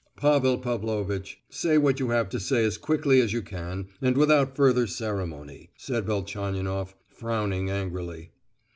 "Pavel Pavlovitch, say what you have to say as quickly as you can, and without further ceremony," said Velchaninoff, frowning angrily.